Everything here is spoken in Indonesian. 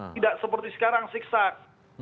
tidak seperti sekarang siksak